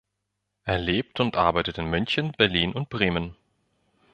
Er lebt und arbeitet in München, Berlin und Bremen.